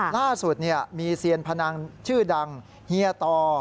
ล่าสุดมีเซียนพนังชื่อดังเฮียตอ